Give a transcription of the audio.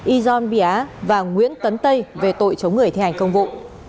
yjon bia và nguyễn tấn tây về tội chống người thi hành công vụ